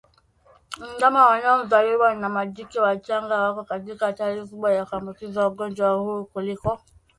Ndama wanaozaliwa na majike wachanga wako katika hatari kubwa ya kuambukizwa ugonjwa huu kuliko